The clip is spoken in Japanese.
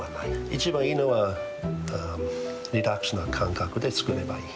一番いいのはリラックスな感覚で作ればいい。